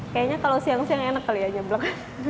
kayaknya kalau siang siang enak kali ya nyeblak